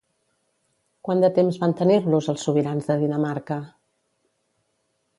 Quant de temps van tenir-los els sobirans de Dinamarca?